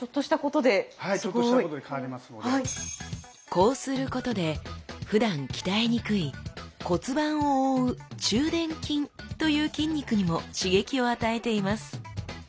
こうすることでふだん鍛えにくい骨盤を覆う中臀筋という筋肉にも刺激を与えています。